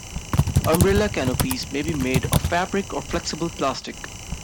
Umbrella canopies may be made of fabric or flexible plastic.